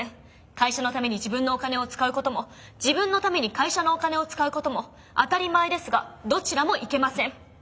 会社のために自分のお金を使うことも自分のために会社のお金を使うことも当たり前ですがどちらもいけません。